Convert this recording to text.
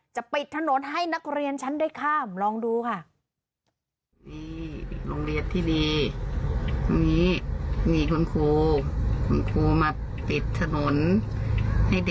ปิดถนนให้นักเรียนชั้นได้ข้ามลองดูค่ะ